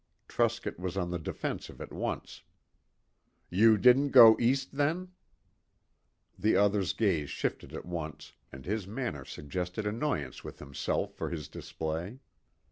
Truscott was on the defensive at once. "You didn't go east, then?" The other's gaze shifted at once, and his manner suggested annoyance with himself for his display.